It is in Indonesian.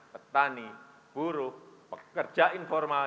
petani buruh pekerja informal